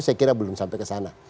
saya kira belum sampai ke sana